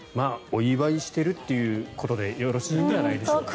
お祝いしてるということでよろしいんじゃないでしょうか。